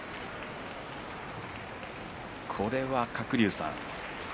これは、鶴竜さん。